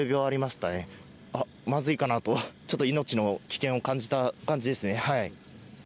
あっ、まずいかなと、ちょっと命の危険を感じた感じですね。